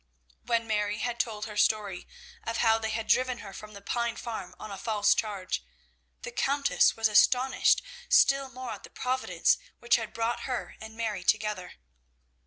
When Mary had told her story, of how they had driven her from the Pine Farm on a false charge, the Countess was astonished still more at the providence which had brought her and Mary together.